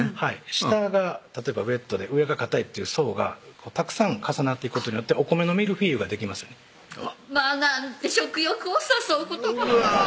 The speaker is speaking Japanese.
下が例えばウエットで上がかたいっていう層がたくさん重なっていくことによってお米のミルフィーユができますよねまぁなんて食欲を誘う言葉うわ